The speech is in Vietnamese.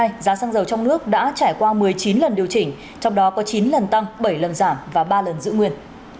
hôm nay giá xăng dầu trong nước đã trải qua một mươi chín lần điều chỉnh trong đó có chín lần tăng bảy lần giảm và ba lần giữ nguyên